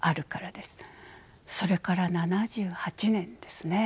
それから７８年ですね。